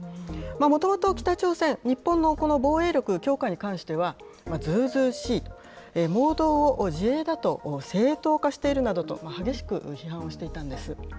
もともと北朝鮮、日本のこの防衛力強化に関しては、ずうずうしい、妄動を自衛だと正当化しているなどと激しく批判をしていたんです。